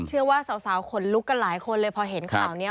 เชื่อว่าสาวขนลุกกันหลายคนเลยพอเห็นข่าวนี้